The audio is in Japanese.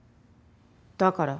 だから？